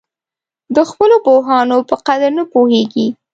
د خپلو پوهانو په قدر نه پوهېږي.